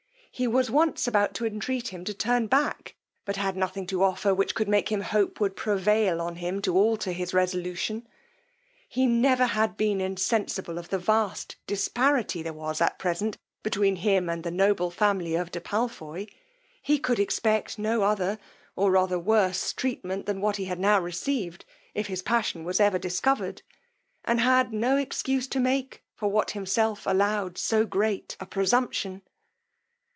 He was once about to entreat him to turn back, but had nothing to offer which could make him hope would prevail on him to alter his resolution. He never had been insensible of the vast disparity there was at present between him and the noble family of de Palfoy: he could expect no other, or rather worse treatment than what he had now received, if his passion was ever discovered, and had no excuse to make for what himself allowed so great a presumption.